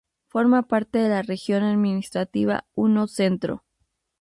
Forma parte de la región administrativa I centro.